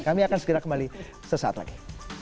kami akan segera kembali sesaat lagi